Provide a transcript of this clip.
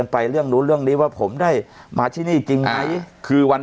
ไปเรื่องนู้นเรื่องนี้ว่าผมได้มาที่นี่จริงไหมคือวัน